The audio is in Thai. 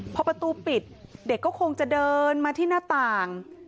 พอประตูปิดเด็กก็คงจะเดินมาที่หน้าต่าง